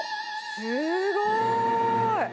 すごーい。